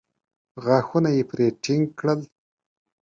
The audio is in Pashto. غاښونه يې پرې ټينګ کړل.